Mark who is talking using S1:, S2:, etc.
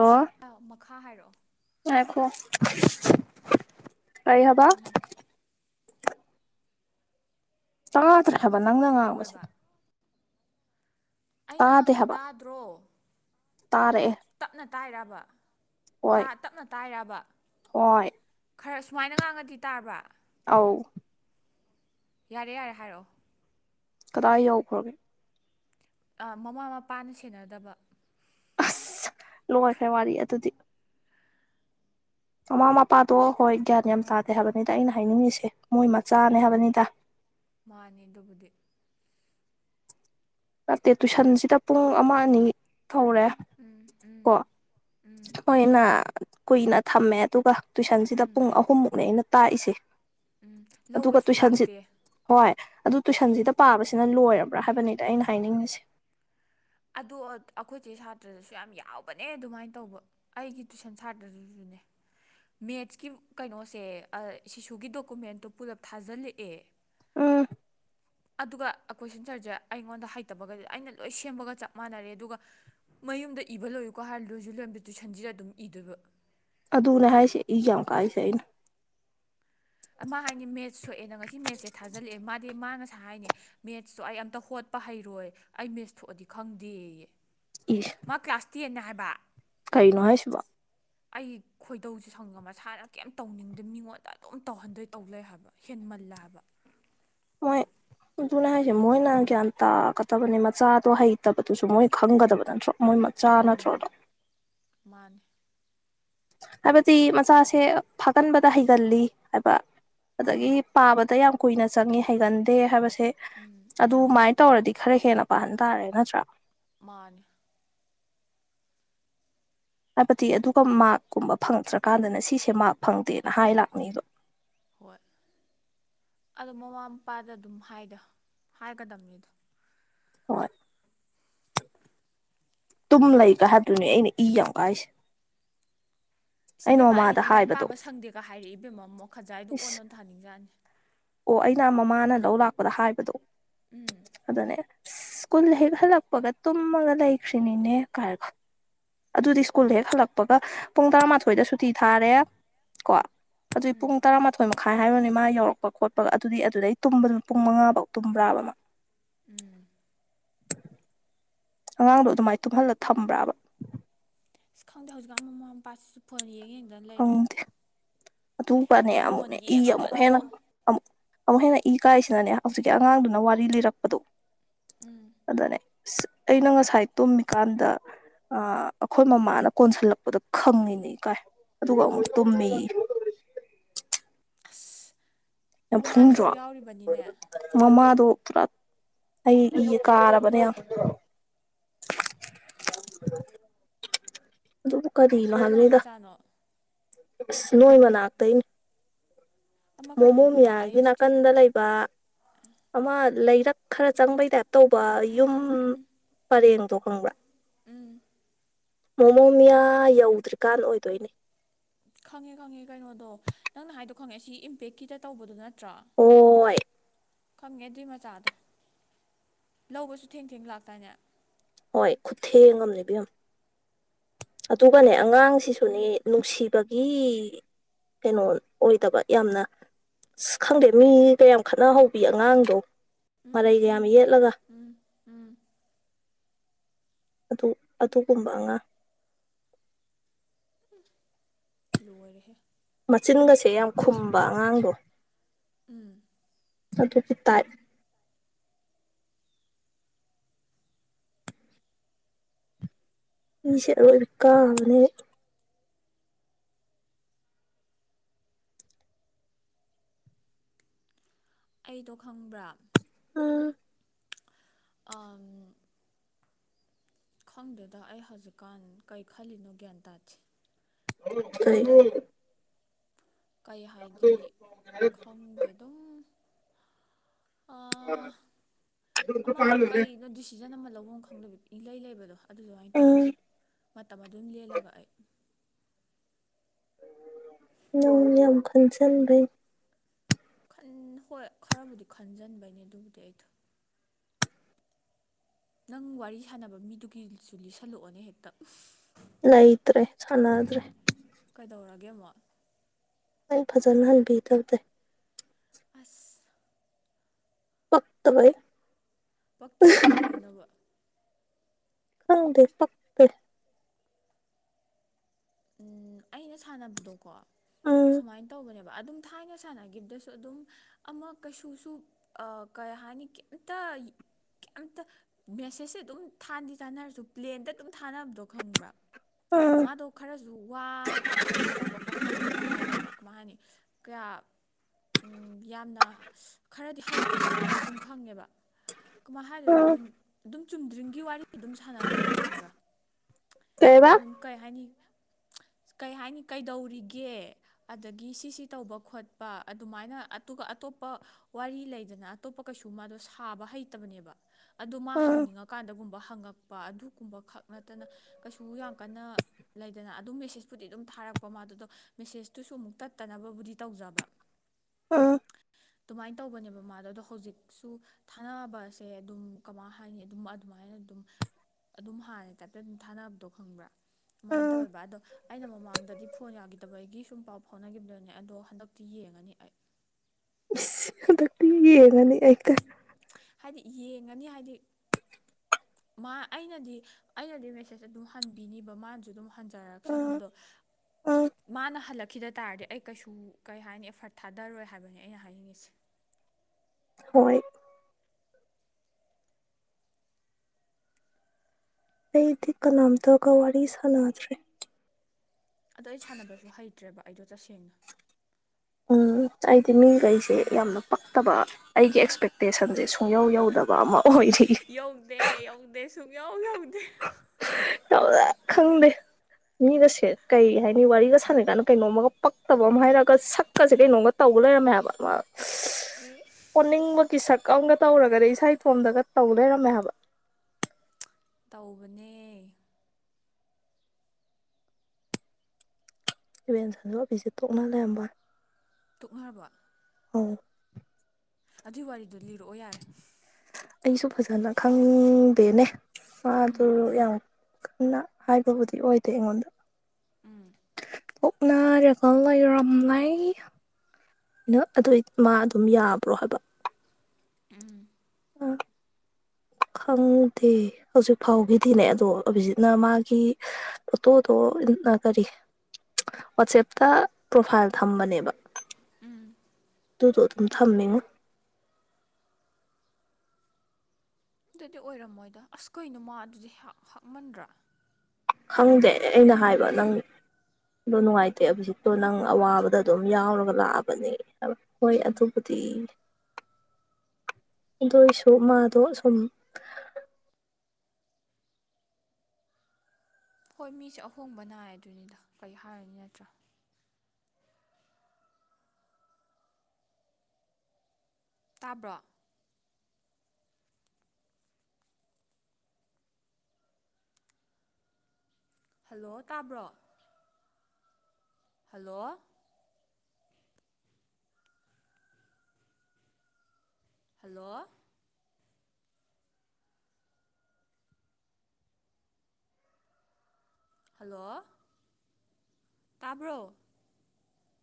S1: ꯑꯣ
S2: ꯃꯈꯥ ꯍꯥꯏꯔꯛꯑꯣ
S1: ꯉꯥꯢꯈꯣ ꯀꯩ ꯍꯥꯕ ꯇꯥ [unintelligible] ꯍꯥꯏꯕ ꯅꯪꯅ ꯉꯥꯡꯕꯁꯦ
S2: ꯀꯩꯗꯧꯋꯦꯕ ꯑꯩꯅ
S1: ꯇꯥꯗꯦ
S2: ꯉꯥꯡꯕ
S1: ꯍꯥꯏꯕ
S2: ꯇꯥꯗ꯭ꯔꯣ
S1: ꯇꯥꯔꯛꯑꯦ
S2: ꯇꯞꯅ ꯇꯥꯏꯔꯕ
S1: ꯍꯣꯏ
S2: ꯇꯞꯅ ꯇꯥꯏ ꯕꯥ
S1: ꯍꯣꯏ
S2: ꯈꯔ ꯁꯨꯃꯥꯏꯅ ꯉꯥꯡꯉꯗꯤ ꯇꯥꯔꯕ꯭ꯔꯥ
S1: ꯑꯧ
S2: ꯌꯥꯔꯦ ꯌꯥꯔꯦ ꯍꯥꯏꯔꯛꯑꯣ
S1: ꯀꯗꯥꯏ ꯌꯧꯈ꯭ꯔꯒꯦ
S2: ꯃꯃꯥ ꯃꯄꯥꯅ ꯁꯦꯟꯅꯗꯕ
S1: ꯑꯁ ꯂꯣꯏꯈ ꯋꯥꯔꯤ ꯑꯗꯨꯗꯤ ꯃꯃꯥ ꯃꯄꯥ ꯇꯣ ꯍꯣꯏ ꯒ꯭ꯌꯥꯟ ꯌꯥꯝ
S2: ꯑꯥ
S1: ꯇꯥꯗꯦ ꯍꯥꯏꯕꯅꯤꯗ ꯑꯩꯅ ꯍꯥꯏꯅꯤꯡꯉꯁꯦ ꯃꯣꯏ ꯃꯆꯥꯅꯦ ꯍꯥꯏꯕꯅꯤꯗ
S2: ꯃꯥꯅꯤ ꯑꯗꯨꯕꯨꯗꯤ
S1: ꯅꯠꯇꯦ ꯇꯨꯏꯁꯟꯁꯤꯗ ꯄꯨꯡ ꯑꯃ ꯑꯅꯤ ꯊꯧꯔꯦ
S2: ꯎꯝ ꯎꯝ
S1: ꯀꯣ ꯍꯣꯏꯅ ꯀꯨꯏꯅ ꯊꯝꯃꯦ ꯑꯗꯨꯒ ꯇꯨꯏꯁꯟꯁꯤꯗ
S2: ꯎꯝ
S1: ꯄꯨꯡ ꯑꯍꯨꯝꯃꯨꯛꯅꯦ ꯑꯩꯅ ꯇꯥꯛꯏꯁꯦ
S2: ꯎꯝ
S1: ꯑꯗꯨꯒ
S2: ꯂꯧꯕꯁꯨ
S1: ꯇꯨꯏꯁꯟꯁꯤꯠ
S2: ꯂꯥꯛꯇꯦ
S1: ꯍꯣꯏ ꯑꯗꯨ ꯇꯨꯏꯁꯟꯁꯤꯗ ꯄꯥꯕꯁꯤꯅ ꯂꯣꯏꯔꯕ꯭ꯔꯥ ꯍꯥꯏꯕꯅꯤꯗ ꯑꯩꯅ ꯍꯥꯏꯅꯤꯡꯉꯤꯁꯦ
S2: ꯑꯗꯣ ꯑꯩꯈꯣꯏꯁꯦ ꯁꯥꯇ꯭ꯔꯗꯁꯨ ꯌꯥꯝ ꯌꯥꯎꯕꯅꯦ ꯑꯗꯨꯃꯥꯏꯅ ꯇꯧꯕ ꯑꯩꯒꯤ ꯇꯨꯏꯁꯟ ꯁꯥꯇ꯭ꯔꯗꯨꯁꯨꯅꯦ ꯃꯦꯠꯁꯀꯤ ꯀꯩꯅꯣꯁꯦ ꯁꯤꯁꯨꯒꯤ ꯗꯣꯀꯨꯃꯦꯟꯇꯣ ꯄꯨꯂꯞ ꯊꯥꯖꯤꯜꯂꯛꯑꯦ
S1: ꯎꯝ
S2: ꯑꯗꯨꯒ ꯀꯣꯏꯁꯟ ꯁꯥꯔꯁꯦ ꯑꯩꯉꯣꯟꯗ ꯍꯩꯇꯕꯒꯗꯤ ꯑꯩꯅ ꯂꯣꯏ ꯁꯦꯝꯕꯒ ꯆꯞ ꯃꯥꯟꯅꯔꯦ ꯑꯗꯨꯒ ꯃꯌꯨꯝꯗ ꯏꯕ ꯂꯣꯏꯌꯨꯀꯣ ꯍꯥꯏꯔ ꯂꯣꯏꯁꯨ ꯂꯣꯏꯔꯝꯗ ꯇꯨꯏꯁꯟꯁꯤꯗ ꯑꯗꯨꯝ ꯏꯗꯣꯏꯕ
S1: ꯑꯗꯨꯅꯦ ꯍꯥꯏꯁꯦ ꯏ ꯌꯥꯝꯨ ꯀ ꯍꯥꯏꯁꯦ ꯑꯩꯅ
S2: ꯑꯃꯥ ꯍꯥꯏꯅꯤ ꯃꯦꯠꯁ ꯁꯣꯛꯑꯦꯅ ꯉꯁꯤ ꯃꯦꯠꯁꯦ ꯊꯥꯖꯤꯜꯂꯛꯑꯦ ꯃꯥꯗꯤ ꯃꯥ ꯉ ꯍꯥꯏꯅꯤ ꯃꯦꯠꯁꯇꯣ ꯑꯩ ꯑꯝꯇ ꯍꯣꯠꯄ ꯍꯩꯔꯣꯏ ꯑꯩ ꯃꯦꯠꯁ ꯊꯣꯛꯑꯗꯤ ꯈꯪꯗꯦꯌꯦ
S1: ꯏꯁꯦ
S2: ꯃꯥ ꯀ꯭ꯂꯥꯁꯇꯤꯅ ꯍꯥꯏꯕ ꯕ
S1: ꯀꯔꯤꯅꯣ ꯍꯥꯏꯁꯤꯕꯣ
S2: ꯑꯩ ꯈꯣꯏꯗꯧꯁꯦ ꯁꯪꯉ ꯃꯁꯥꯅ ꯀꯩꯝ ꯇꯧꯅꯤꯡꯗꯦ ꯃꯤꯉꯣꯟꯗ ꯑꯗꯨꯝ ꯇꯧꯍꯟꯗꯣꯏ ꯇꯧ ꯂꯩꯩ ꯍꯥꯏꯕ ꯍꯦꯟꯃꯜꯂꯦ ꯍꯥꯏꯕ
S1: ꯍꯣꯏ ꯑꯗꯨꯅ ꯍꯥꯏꯁꯦ ꯃꯣꯏꯅ ꯒ꯭ꯌꯥꯟ ꯇꯥꯒꯗꯕꯅꯤ ꯃꯆꯥꯗꯣ ꯍꯩꯇꯕꯗꯨꯁꯨ ꯃꯣꯏ ꯈꯪꯒꯗꯕ ꯅꯠꯇ꯭ꯔꯣ ꯃꯣꯏ ꯃꯆꯥ ꯅꯠꯇ꯭ꯔꯣ ꯑꯗꯣ
S2: ꯃꯥꯅꯦ
S1: ꯍꯥꯏꯕꯗꯤ ꯃꯆꯥꯁꯦ ꯐꯥꯒꯟꯕꯗ ꯍꯩꯒꯜꯂꯤ ꯍꯥꯏꯕ ꯑꯗꯒꯤ
S2: ꯎꯝ
S1: ꯄꯥꯕꯗ ꯌꯥꯝ ꯀꯨꯏꯅ ꯆꯪꯉ ꯍꯩꯒꯟꯗꯦ ꯍꯥꯏꯕꯕꯁꯤ
S2: ꯎꯝ ꯎꯝ
S1: ꯑꯗꯨꯃꯥꯏꯅ ꯇꯧꯔꯗꯤ ꯈꯔ ꯍꯦꯟꯅ ꯄꯥꯍꯟ ꯇꯥꯔꯦ ꯅꯠꯇ꯭ꯔꯥ
S2: ꯃꯥꯥꯅꯤ
S1: ꯍꯥꯏꯕꯗꯤ ꯑꯗꯨꯒ ꯃꯥꯔꯛꯀꯨꯝꯕ ꯐꯪꯛꯇ꯭ꯔꯀꯥꯟꯗꯅ ꯁꯤꯁꯦ ꯃꯥꯔꯛ ꯐꯪꯗꯦꯅ ꯍꯥꯏ ꯂꯥꯛꯅꯤꯕ
S2: ꯍꯣꯏ ꯑꯗꯣ ꯃꯃꯥ ꯃꯄꯥꯗ ꯑꯗꯨꯝ ꯍꯥꯏꯗ ꯍꯥꯏꯒꯗꯕꯅꯤ
S1: ꯍꯣꯏ ꯇꯨꯝ ꯂꯩꯒ ꯍꯥꯏꯗꯨꯅꯦ ꯑꯩꯅ ꯏ ꯌꯥꯝ ꯀꯥꯏ ꯁꯦ
S2: ꯏꯕꯦꯝꯃ ꯑꯩꯒꯤꯗꯤ ꯂꯥꯏꯔꯤꯛ ꯄꯥꯕ ꯁꯪꯗꯦꯒ ꯍꯥꯏꯔꯛꯏ ꯏꯕꯦꯝꯃ ꯃꯈꯖꯥꯏꯗꯣ
S1: ꯏꯁ
S2: ꯑꯣꯟꯅ ꯊꯥꯅꯤꯡꯖꯠ ꯅꯤ
S1: ꯑꯣ ꯑꯩꯅ ꯃꯃꯥꯅ ꯂꯧ ꯂꯥꯛꯄꯗ ꯍꯥꯏꯕꯗꯣ
S2: ꯎꯝ
S1: ꯑꯗꯅꯦ ꯁ꯭ꯀꯨꯜ ꯍꯦꯛ ꯍꯜꯂꯛꯄꯒ ꯇꯨꯝꯃꯒ ꯂꯩꯈ꯭ꯔꯤꯅꯤꯅꯦ ꯀꯥꯏ ꯑꯗꯨꯗꯤ ꯁ꯭ꯀꯨꯜ ꯍꯦꯛ ꯍꯜꯂꯛꯄꯒ ꯄꯨꯡ ꯇꯔꯥꯃꯥꯊꯣꯏꯗ ꯁꯨꯇꯤ ꯊꯥꯔꯦ ꯀꯣ ꯑꯗꯨꯏ ꯄꯨꯡ ꯇꯔꯥꯃꯥꯊꯣꯏ ꯃꯈꯥꯏ ꯐꯥꯏ ꯍꯥꯏꯕꯅꯤ ꯃꯥ ꯌꯧꯔꯛ ꯇꯄ ꯈꯣꯠꯄꯒ ꯑꯗꯨꯗꯤ ꯑꯗꯨꯗꯩ ꯇꯨꯝꯕꯗꯨ ꯄꯨꯡ ꯃꯉꯥꯐꯧ ꯇꯨꯝꯕ꯭ꯔꯥꯕ ꯃ
S2: [inaudible]
S1: ꯑꯉꯥꯡꯗꯣ ꯑꯗꯨꯃꯥꯏ ꯇꯨꯝꯍꯜꯂ ꯊꯝꯕ꯭ꯔꯕ
S2: ꯁꯁ ꯈꯪꯗꯦ ꯍꯧꯖꯤꯛ ꯑꯃ ꯃꯃꯥ ꯃꯄꯥꯁꯤꯁꯨ ꯐꯣꯟ ꯌꯦꯡꯉꯦ
S1: ꯈꯪꯗꯦ ꯑꯗꯨꯕꯅꯦ
S2: ꯐꯣꯟ
S1: ꯑꯃꯨꯛꯅꯦ ꯏ
S2: ꯌꯦꯡꯉꯒ
S1: ꯑꯃꯨꯛ ꯍꯦꯟꯅ
S2: ꯑꯗꯨꯝ
S1: ꯑꯃꯨꯛ ꯑꯃꯨꯛ ꯍꯦꯟꯅ ꯏ ꯀꯥꯏꯁꯤꯅꯅꯦ ꯍꯧꯖꯤꯛꯀꯤ ꯑꯉꯥꯡꯗꯨꯅ ꯋꯥꯔꯤ ꯂꯤꯔꯛꯄꯗꯣ ꯑꯗꯅꯦ ꯑꯩꯅ ꯉꯁꯥꯏ ꯇꯨꯝꯃꯤꯀꯥꯟꯗ ꯑꯩꯈꯣꯏ ꯃꯃꯥꯅ ꯀꯣꯟꯁꯤꯜꯂꯛꯄꯗ ꯈꯪꯉꯤꯅꯦ ꯀꯥꯏ ꯑꯗꯨꯒ ꯑꯃꯨꯛ ꯇꯨꯝꯃꯤ
S2: ꯑꯁ
S1: ꯌꯥꯝꯐꯨꯅꯤꯛ
S2: ꯃꯃꯥꯗꯨꯁꯨ
S1: ꯗ꯭ꯔꯣ
S2: ꯌꯥꯎꯔꯤꯕꯅꯤꯅꯦ
S1: ꯃꯃꯥ ꯗꯨ ꯄꯨꯔꯥ ꯑꯩ ꯏ ꯀꯥꯔꯕꯅꯦ ꯌꯥꯝ ꯑꯗꯨ ꯀꯔꯤꯅꯣ
S2: ꯀꯅꯥꯏ
S1: ꯍꯥꯏꯕꯅꯤꯗ
S2: ꯃꯆꯥꯅꯣ
S1: ꯅꯣꯏꯃꯅꯥꯥꯛꯇꯅꯤ
S2: ꯑꯃ
S1: ꯃꯣꯃꯣ
S2: ꯀꯩꯅꯣꯗꯨꯔꯣ ꯑꯥꯏ
S1: ꯃꯌꯥꯒꯤ
S2: ꯑꯦꯁ ꯇꯤ
S1: ꯅꯥꯀꯟꯗ ꯂꯩꯕ ꯑꯃ ꯂꯩꯔꯛ ꯈꯔ ꯆꯪꯕꯩ ꯇꯥꯏꯞ ꯇꯧꯕ
S2: ꯎꯝ
S1: ꯌꯨꯝ
S2: ꯎꯝ ꯎꯝ
S1: ꯄꯔꯦꯡꯗꯣ ꯍꯪꯕ꯭ꯔꯥ ꯃꯣꯃꯣꯃꯤꯌꯥ ꯌꯧꯗ꯭ꯔꯤꯀꯥꯟ ꯑꯣꯏꯗꯣꯏꯅꯦ
S2: ꯈꯪꯉꯦ ꯈꯪꯉꯦ ꯀꯩꯅꯣꯗꯣ ꯅꯪꯅ ꯍꯥꯏꯗꯣ ꯈꯪꯉꯦ ꯁꯤ ꯏꯝꯄꯦꯛꯀꯤꯗ ꯇꯧꯕꯗꯨ ꯅ ꯇ꯭ꯔꯥ
S1: ꯍꯣꯏ
S2: ꯈꯪꯉꯦ ꯑꯗꯨꯏ ꯃꯆꯥꯗꯣ ꯂꯧꯕꯁꯨ ꯊꯦꯡ ꯊꯦꯡ ꯂꯥꯛꯇꯅꯦ
S1: ꯍꯣꯏ ꯈꯨꯠꯊꯦꯛꯉꯝꯅꯦꯕꯤꯌ ꯑꯗꯨꯒꯅꯦ
S2: ꯎꯝ
S1: ꯑꯉꯥꯡꯁꯤꯁꯨꯅꯤ ꯅꯨꯡꯁꯤ ꯕꯒꯤ ꯀꯩꯅꯣ ꯑꯣꯏꯗꯕ ꯌꯥꯝꯅ ꯑ ꯈꯪꯗꯦ ꯃꯤ ꯀꯌꯥꯝ ꯈꯠꯅꯍꯧꯕꯤ ꯑꯉꯥꯡꯗꯣ
S2: ꯎꯝ ꯎꯝ
S1: ꯃꯔꯩ
S2: ꯎꯝ
S1: ꯀꯌꯥꯝ ꯌꯦꯠꯂꯒ
S2: ꯎꯝ ꯎꯝ
S1: ꯑꯗꯨ ꯑꯗꯨꯒꯨꯝꯕꯉꯥ
S2: ꯂꯣꯏꯔꯦꯍꯦ
S1: ꯃꯆꯤꯟꯒꯁꯦ ꯌꯥꯝ ꯈꯨꯝꯕ ꯑꯉꯥꯡꯗꯣ
S2: ꯎꯝ
S1: ꯁꯇꯛꯇ ꯇꯥꯏ ꯢꯁꯦ ꯑꯔꯣꯏꯕꯤ ꯀꯥꯕꯅꯦ
S2: ꯑꯩꯗꯣ ꯈꯪꯕ꯭ꯔꯥ
S1: ꯎꯝ
S2: ꯑ ꯈꯪꯗꯗ ꯑꯩ ꯍꯧꯖꯤꯛꯀꯥꯟ ꯀꯔꯤ ꯈꯜꯂꯤꯅꯣ ꯒ꯭ꯌꯥꯟ ꯇꯥꯗꯦ
S1: ꯐ
S2: ꯀꯩ ꯍꯥꯏꯗꯤ ꯈꯪꯗꯦ ꯑꯗꯨꯝ ꯑꯃ ꯀꯩꯅꯣ ꯗꯤꯁꯤꯖꯟ ꯑꯃ ꯂꯧꯕ ꯈꯪꯗꯕ ꯏꯂ ꯂꯩꯕꯗꯣ ꯑꯗꯨ ꯑꯗꯨꯃꯥꯏꯅ
S1: ꯎꯝ
S2: ꯇꯧꯔꯤ ꯃꯇꯝ ꯑꯗꯨꯝ ꯂꯦꯜꯂꯒ ꯑꯩ
S1: ꯅꯣꯡ ꯌꯥꯝ ꯈꯟꯁꯤꯟꯕꯩ
S2: ꯟ ꯍꯣꯏ ꯈꯔꯕꯨꯗꯤ ꯈꯟꯖꯟꯕꯩꯅꯦ ꯑꯗꯨꯕꯨꯗꯤ ꯑꯩꯗ ꯅꯪ ꯋꯥꯔꯤ ꯁꯥꯟꯅꯕ ꯃꯤꯗꯨꯒꯤꯁꯨ ꯂꯤꯠꯁꯜꯂꯛꯑꯣꯅꯦ ꯍꯦꯛꯇ
S1: ꯂꯩ ꯏꯇ꯭ꯔꯦ ꯆꯅꯗ꯭ꯔꯦ
S2: ꯀꯩꯗꯧꯔꯒꯦ ꯑꯃꯛ
S1: ꯑꯩ ꯐꯖꯅꯍꯟꯕꯤ ꯇꯧꯗꯦ
S2: ꯑꯁ
S1: ꯄꯣꯛꯛꯇꯕꯩ
S2: ꯄꯛꯇꯕꯁꯤꯅ ꯀꯩꯅꯣ
S1: ꯈꯪꯗ ꯄꯛꯦ
S2: ꯎꯝ ꯑꯩꯅ ꯁꯥꯟꯅꯕꯗꯣꯀꯣ
S1: ꯎꯝ
S2: ꯁꯨꯃꯥꯏꯅ ꯇꯧꯕꯅꯦꯕ ꯑꯗꯨꯝ ꯊꯥꯏꯅ ꯁꯥꯟꯅꯈꯤꯕꯗꯁꯨ ꯑꯗꯨꯝ ꯑꯃ ꯀꯩꯁꯨꯁꯨ ꯀꯩ ꯍꯥꯏꯅꯤ ꯀꯩꯝꯇ ꯀꯩꯇ ꯃꯦꯁꯦꯁꯁꯦ ꯑꯗꯨꯝ ꯊꯥꯅꯗꯤ ꯇꯥꯟꯅꯔꯁꯨ ꯄ꯭ꯂꯦꯟꯗ ꯑꯗꯨꯝ ꯊꯥꯅꯕꯗꯣ ꯈꯪꯕ꯭ꯔꯥ
S1: ꯎꯝ
S2: ꯃꯥꯗꯣ ꯈꯔꯁꯨ ꯋꯥ ꯀꯩꯅꯣ ꯇꯧꯕ ꯍꯩꯇꯕ ꯍꯥꯏꯒꯗ꯭ꯔꯥ ꯀꯃꯥꯏ ꯍꯥꯏꯅꯤ ꯀꯌꯥ ꯌꯥꯝꯅ ꯈꯔꯗꯤ ꯍꯩꯇꯦꯕ ꯃꯥꯗꯣ ꯑꯗꯨꯝ ꯈꯪꯉꯦꯕ ꯀꯃ ꯍꯥꯏꯗꯨꯗ
S1: ꯎꯝ
S2: ꯑꯗꯨꯝ ꯑꯗꯨꯝ ꯆꯨꯟꯗ꯭ꯔꯒꯤ ꯋꯥꯔꯤ ꯑꯩ ꯑꯗꯨꯝ ꯁꯥꯟꯅꯕꯗꯣ ꯈꯪꯕ꯭ꯔꯥ
S1: ꯀꯩꯕ
S2: ꯑꯗꯨꯝ ꯀꯩ ꯍꯥꯏꯅꯤ ꯀꯩ ꯍꯥꯏꯅꯤ ꯀꯩꯗꯧꯔꯤꯒꯦ ꯑꯗꯒꯤ ꯁꯤꯁꯤ ꯇꯧꯕ ꯈꯣꯠꯄ ꯑꯗꯨꯃꯥꯏꯅ ꯑꯗꯨꯒ ꯑꯇꯣꯞꯄ ꯋꯥꯔꯤ ꯂꯩꯗꯅ ꯑꯇꯣꯞꯄ ꯀꯩꯁꯨ ꯃꯥꯗꯣ ꯁꯥꯕ ꯍꯩꯇꯕꯅꯦꯕ ꯑꯗꯨ ꯃꯥ
S1: ꯎꯝ
S2: ꯍꯪꯅꯤꯡꯉꯀꯥꯟꯗꯒꯨꯝ ꯍꯪꯉꯛꯄ ꯑꯗꯨ ꯒꯨꯝꯕ ꯈꯛ ꯅꯠꯇꯅ ꯀꯩꯁꯨ ꯌꯥꯝ ꯀꯟꯅ ꯅ ꯑꯗꯨꯝ ꯃꯦꯁꯦꯖꯄꯨꯗꯤ ꯑꯗꯨꯝ ꯊꯥꯔꯛꯄ ꯃꯥ ꯑꯗꯨꯗꯣ ꯃꯦꯁꯦꯖꯇꯨꯁꯨ ꯑꯃꯨꯛ ꯇꯠꯇꯅꯕꯕꯨꯗꯤ ꯇꯧꯖꯕ
S1: ꯑ
S2: ꯑꯗꯨꯃꯥꯏꯅ ꯇꯧꯕꯅꯦꯕ ꯃꯥꯗꯣ ꯑꯗꯣ ꯍꯧꯖꯤꯛꯁꯨ ꯊꯥꯅꯕꯁꯦ ꯑꯗꯨꯝ ꯀꯃꯥꯏ ꯍꯥꯏꯅꯤ ꯑꯗꯨꯝ ꯑꯗꯨꯃꯥꯏꯅ ꯑꯗꯨꯝ ꯑꯗꯨꯝ ꯍꯥꯟꯅ ꯇꯥꯏꯞꯇ ꯑꯗꯨꯝ ꯊꯥꯅꯕꯗꯣ ꯈꯪꯕ꯭ꯔꯥ ꯑꯗꯨꯃꯥꯏꯅ
S1: ꯎꯝ
S2: ꯇꯧꯋꯦꯕ ꯑꯗꯣ ꯑꯩꯅ ꯃꯃꯥꯡꯗꯗꯤ ꯐꯣꯟ ꯌꯥꯈꯤꯗꯕꯒꯤ ꯁꯨꯝ ꯄꯥꯎ ꯐꯥꯎꯅꯈꯤꯕꯗꯨꯅꯦ ꯑꯗꯣ ꯍꯟꯗꯛꯇꯤ ꯌꯦꯡꯉꯅꯤ ꯑꯩ
S1: ꯑꯗꯛꯇꯤꯒꯅꯤ ꯑꯛꯇ
S2: ꯍꯥꯏꯗꯤ ꯌꯦꯡꯉꯅꯤ ꯍꯥꯏꯗꯤ ꯑꯩꯅꯗꯤ ꯑꯩꯅꯗꯤ ꯃꯦꯁꯦꯁ ꯑꯗꯨꯝ ꯍꯟꯕꯤꯅꯤꯕ ꯃꯥꯅꯁꯨ ꯑꯗꯨꯝ ꯍꯟꯖꯔꯛꯁꯅꯨ
S1: ꯎꯝ
S2: ꯑꯗꯣ
S1: ꯎꯝ
S2: ꯃꯥꯅ ꯍꯜꯂꯛꯈꯤꯗ ꯇꯥꯔꯗꯤ ꯑꯩ ꯀꯩꯁꯨ ꯀꯩ ꯍꯥꯏꯅꯤ ꯑꯦꯐꯔꯠ ꯊꯥꯗꯔꯣꯏ ꯍꯥꯏꯕꯅꯤ ꯑꯩꯅ ꯍꯥꯏꯅꯤꯡꯉꯤꯁꯦ
S1: ꯍꯣꯏ ꯑꯩꯗꯤ ꯀꯅꯥꯝꯇꯒ ꯋꯥꯔꯤ ꯁꯥꯟꯅꯗ꯭ꯔꯦ
S2: ꯑꯗꯣ ꯑꯩ ꯁꯥꯟꯅꯕꯁꯨ ꯍꯩꯇ꯭ꯔꯦꯕ ꯑꯩꯗꯣ ꯇꯁꯦꯡꯅ
S1: ꯎꯝ ꯑꯩꯗꯤ ꯃꯤꯈꯩꯁꯦ ꯌꯥꯝꯅ ꯄꯛꯇꯕ ꯑꯩꯒꯤ ꯑꯦꯛꯁꯄꯦꯛꯇꯦꯁꯟꯁꯦ ꯁꯨꯡ ꯃꯌꯧ ꯌꯧꯗꯕ ꯑꯃ ꯑꯣꯏꯔꯤ
S2: ꯁꯨꯡ ꯌꯥꯎ ꯌꯥꯎꯗꯦ
S1: ꯇꯧꯖ ꯈꯪꯗꯦ ꯃꯤꯒꯁꯦ ꯀꯩ ꯍꯥꯏꯅꯤ ꯋꯥꯔꯤꯒ ꯁꯥꯟꯅꯩꯀꯥꯟꯗ ꯀꯩꯅꯣꯝꯃꯒ ꯄꯛꯇꯕ ꯑꯃ ꯍꯥꯏꯔꯒ ꯁꯛꯄꯁꯦ ꯀꯩꯅꯣꯝꯒ ꯇꯧꯕ ꯂꯩꯔꯝꯃꯦ ꯍꯥꯏꯕ ꯑꯣꯅꯤꯡꯕꯒꯤ ꯁꯛꯒ ꯇꯧꯔꯒꯗꯤ ꯏꯁꯥ ꯐꯣꯝꯗꯒ ꯇꯧ ꯂꯩꯔꯝꯃꯦ ꯍꯥꯏꯕ
S2: ꯇꯧꯕꯅꯦ
S1: ꯏꯚꯦꯟ ꯁꯟꯗꯣꯛꯕꯤꯖ ꯇꯣꯛꯅꯥ ꯂꯩꯦ ꯍꯕꯥ
S2: ꯇꯣꯛꯅꯔꯕ
S1: ꯍ
S2: ꯑꯗꯨꯏ ꯋꯥꯔꯤꯗꯣ ꯂꯤꯔꯛꯑꯣ ꯌꯥꯔꯦ
S1: ꯑꯩꯁꯨ ꯐꯖꯅ ꯈꯪꯗꯦꯅꯦ ꯑ ꯑꯗꯨ ꯌꯥꯎ ꯀꯪꯅ ꯍꯥꯏꯕꯕꯨꯗꯤ ꯑꯣꯏꯗꯦ ꯑꯩꯉꯣꯟꯗ
S2: ꯎꯝ
S1: ꯄꯣꯛ ꯅꯥꯏꯔꯒ ꯂꯩꯔꯝꯂ ꯑ ꯑꯗꯨꯏ ꯃꯥ ꯑꯗꯨꯝ ꯌꯥꯕ꯭ꯔꯣ ꯍꯥꯏꯕ
S2: ꯎꯝ
S1: ꯑ ꯈꯪꯗꯦ ꯍꯧꯖꯤꯛ ꯐꯥꯎꯒꯤꯗꯤꯅꯦ ꯑꯗꯣ ꯍꯧꯖꯤꯠꯅ ꯃꯥꯒꯤ ꯑꯣꯇꯣꯗꯣ ꯀꯔꯤ ꯋꯥꯆꯦꯞꯇ ꯄ꯭ꯔꯣꯐꯥꯏꯜ ꯊꯝꯕꯅꯦꯕ ꯑꯗꯨꯗꯣ ꯑꯗꯨꯝ ꯊꯝꯃꯦꯉꯣ
S2: ꯑꯗꯨꯗꯤ ꯑꯣꯏꯔꯝꯃꯣꯏꯗ ꯑꯁ ꯀꯩꯅꯣ ꯃꯥ ꯑꯗꯨꯗꯤ ꯍꯥꯞꯃꯟꯗ꯭ꯔꯥ
S1: ꯈꯪꯗꯦ ꯑꯩꯅ ꯍꯥꯏꯕ ꯅꯪ ꯑꯗꯣ ꯅꯨꯡꯉꯥꯏꯇꯦ ꯍꯧꯖꯤꯠꯇꯣ ꯅꯪ ꯑꯋꯥꯕꯗ ꯑꯗꯨꯝ ꯌꯥꯎꯔꯒ ꯂꯥꯛꯑꯕꯅꯦ ꯍꯣꯏ ꯑꯗꯨꯕꯨꯗꯤ ꯑꯗꯨꯏꯁꯨ ꯃꯥꯗꯣ ꯁꯨꯝ
S2: ꯍꯣꯏ ꯃꯤꯁꯦ ꯑꯍꯣꯡꯕ ꯅꯥꯏ ꯑꯗꯨꯅꯤꯗ ꯀꯔꯤ ꯍꯥꯏꯔꯨꯅꯤ ꯅꯠꯇ꯭ꯔꯥ ꯇꯥꯕ꯭ꯔꯣ ꯍꯜꯂꯣ ꯇꯥꯕ꯭ꯔꯣ ꯍꯜꯂꯣ ꯍꯜꯂꯣ ꯍꯜꯂꯣ ꯇꯥꯕ꯭ꯔꯣ